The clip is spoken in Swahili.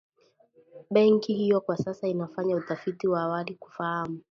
Benki hiyo kwa sasa inafanya utafiti wa awali kufahamu